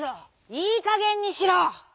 いいかげんにしろ！」。